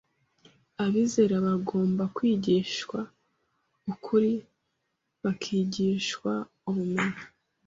abizera bagomba kwigishwa ukuri, bakigishwa ubumenyi